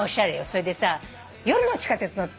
それでさ夜の地下鉄乗った。